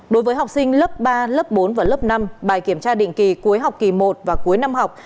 đối với học sinh lớp ba lớp bốn và lớp năm bài kiểm tra định kỳ cuối học kỳ một và cuối năm học